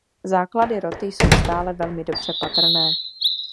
Základy roty jsou stále velmi dobře patrné.